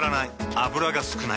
油が少ない。